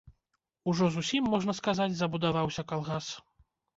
Ужо зусім, можна сказаць, забудаваўся калгас.